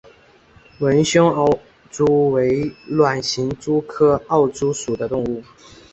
纹胸奥蛛为卵形蛛科奥蛛属的动物。